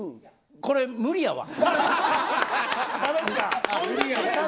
これ無理やわ。